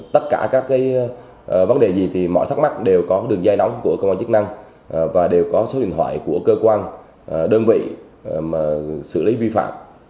tất cả các vấn đề gì thì mọi thắc mắc đều có đường dây nóng của cơ quan chức năng và đều có số điện thoại của cơ quan đơn vị xử lý vi phạm